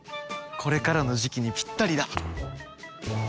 これからの時期にぴったりだ！